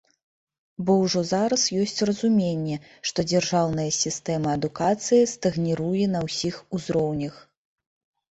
Бо ўжо зараз ёсць разуменне, што дзяржаўная сістэма адукацыі стагніруе на ўсіх узроўнях.